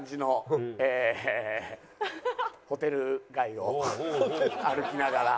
ホテル街を歩きながら。